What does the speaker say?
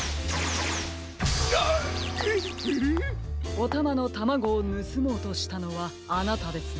おたまのタマゴをぬすもうとしたのはあなたですね。